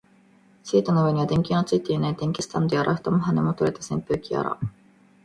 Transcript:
シートの上には、電球のついていない電気スタンドやら、蓋も羽も取れた扇風機やら、漫画の単行本や雑誌なんかが置かれている